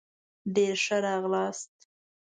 ډېر ښه راغلاست